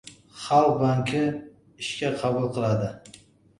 Xalq banki ishga qabul qiladi